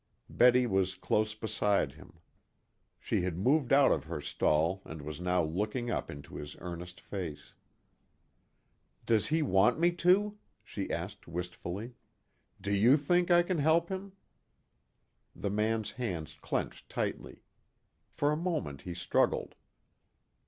Betty was close beside him. She had moved out of her stall and was now looking up into his earnest face. "Does he want me to?" she asked wistfully. "Do you think I can help him?" The man's hands clenched tightly. For a moment he struggled.